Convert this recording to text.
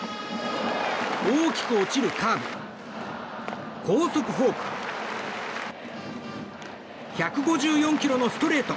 大きく落ちるカーブ高速フォーク１５４キロのストレート。